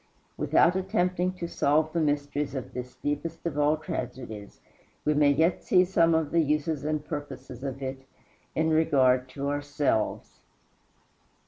Without attempting to solve the mysteries of this deepest of all tragedies, we may yet see some of the uses and purposes of it in regard to ourselves.